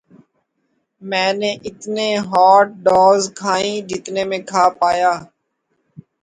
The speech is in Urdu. میں نے اتنے ہاٹ ڈاگز کھائیں جتنے میں کھا پایا